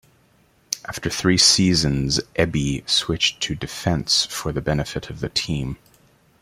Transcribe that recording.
After three seasons Ebbie switched to defence for the benefit of the team.